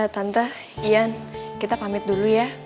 tante ya kita pamit dulu ya